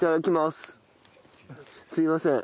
すいません。